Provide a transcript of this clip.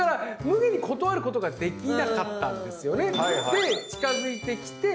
で近づいてきて